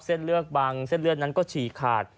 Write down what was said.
เส้นเลือดบางเส้นเลือดนั้นก็ฉี่ขาด